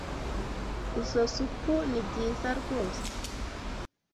Izoi supu nibyiza rwose.